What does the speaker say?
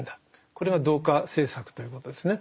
これが同化政策ということですね。